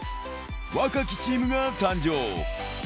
若きチームが誕生。